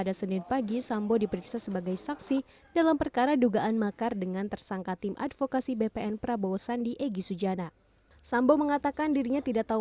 dia berada di kartanegara saat edy sujana berpidato